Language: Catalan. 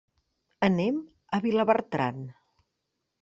Anem a Vilabertran.